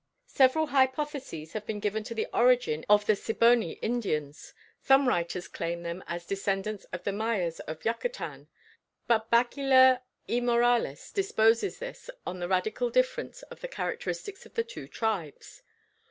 Several hypotheses have been given of the origin of the Siboney Indians. Some writers claim them as descendants of the Mayas of Yucatan, but Bachiller y Morales disposes this on the radical difference of the characters of the two tribes.